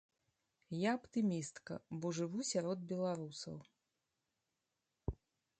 Я аптымістка, бо жыву сярод беларусаў.